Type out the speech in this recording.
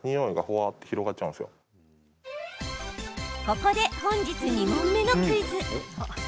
ここで、本日２問目のクイズ。